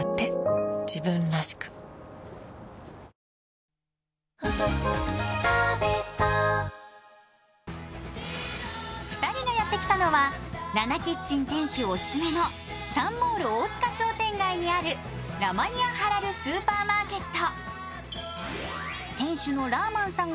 トーンアップ出た２人がやってきたのは、ななキッチン店主オススメのサンモール大塚商店街にあるラマニアハラルスーパーマーケット。